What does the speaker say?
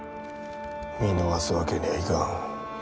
見逃すわけにはいかん。